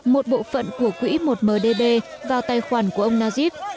một bộ phận của quỹ một mdb vào tài khoản của ông najib